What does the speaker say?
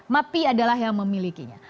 mapi adalah yang memilikinya